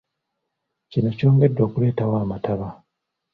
Kino kyongedde okuleetawo amataba.